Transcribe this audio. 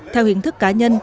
theo hình thức cá nhân